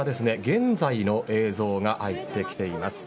現在の映像が入ってきています。